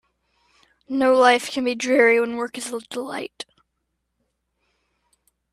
No life can be dreary when work is a delight.